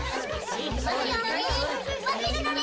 わけるのね。